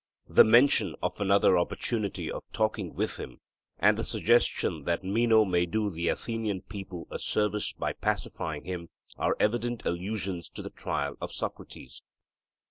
The mention of another opportunity of talking with him, and the suggestion that Meno may do the Athenian people a service by pacifying him, are evident allusions to the trial of Socrates.